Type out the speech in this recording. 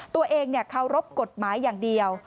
ตัวเองเคารพกฎหมายอย่างเดียว